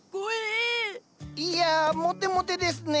いやモテモテですね。